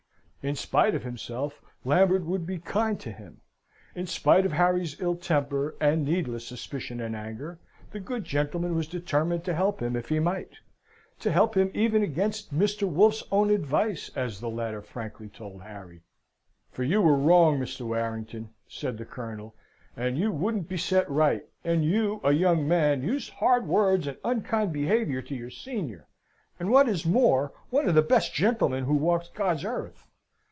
In spite of himself, Lambert would be kind to him. In spite of Harry's ill temper, and needless suspicion and anger, the good gentleman was determined to help him if he might to help him even against Mr. Wolfe's own advice, as the latter frankly told Harry, "For you were wrong, Mr. Warrington," said the Colonel, "and you wouldn't be set right; and you, a young man, used hard words and unkind behaviour to your senior, and what is more, one of the best gentlemen who walks God's earth.